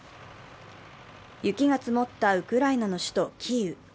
雪が積もったウクライナの首都キーウ。